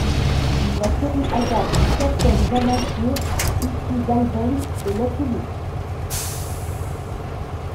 La série adapte certaines aventures issues d'albums de Lucky Luke.